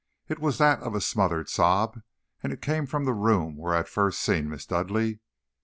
It was that of a smothered sob, and it came from the room where I had first seen Miss Dudleigh.